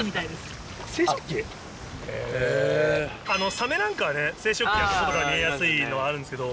サメなんかはね生殖器が外から見えやすいのはあるんですけど。